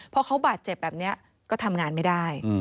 พอเขาบาดเจ็บแบบนี้ก็ทำงานไม่ได้